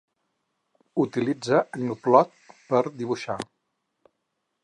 Utilitza gnuplot per dibuixar.